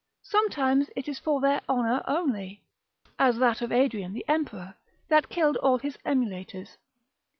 Sometimes it is for their honour only, as that of Adrian the emperor, that killed all his emulators.